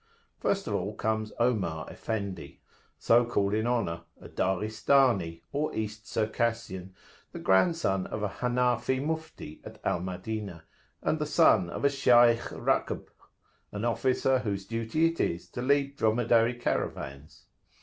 First of all comes Omar Effendi, so called in honour, a Daghistani or East Circassian, the grandson of a Hanafi Mufti at Al Madinah, and the son of a Shaykh Rakb, an officer whose duty it is to lead dromedary caravans.